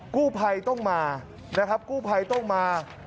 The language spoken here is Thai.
กู้ไพต้องมานะครับกู้ไพต้องมา